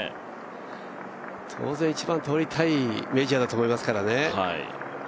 当然、一番とりたいメジャーだと思いますからね。